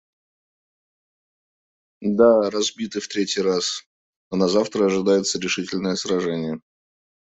Да, разбиты в третий раз, но назавтра ожидается решительное сражение.